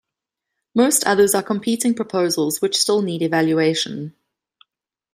Most others are competing proposals which still need evaluation.